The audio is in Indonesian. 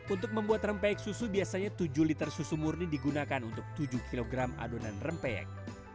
untuk membuat rempeyek susu biasanya tujuh liter susu murni digunakan untuk tujuh kg adonan rempeyek